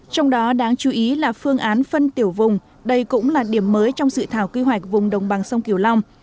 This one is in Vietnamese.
trong đó đáng chú ý là phương án phân tiểu vùng đây cũng là điểm mới trong dự thảo quy hoạch vùng đồng bằng sông kiều long